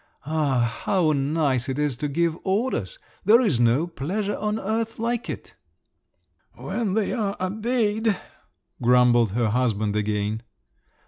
Ah, how nice it is to give orders! There's no pleasure on earth like it!" "When you're obeyed," grumbled her husband again.